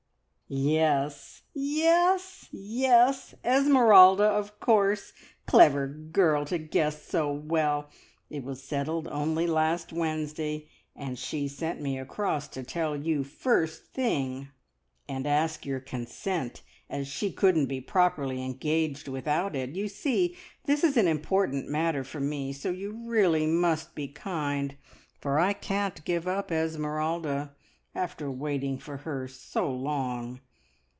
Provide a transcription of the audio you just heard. "Yes, yes, yes! Esmeralda, of course! Clever girl to guess so well! It was settled only last Wednesday, and she sent me across to tell you first thing, and ask your consent, as she couldn't be properly engaged without it. You see this is an important matter for me, so you really must be kind, for I can't give up Esmeralda, after waiting for her so long.